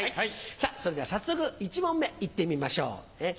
さぁそれでは早速１問目いってみましょう。